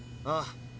ああ。